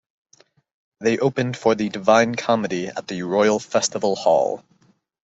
They opened for The Divine Comedy at the Royal Festival Hall.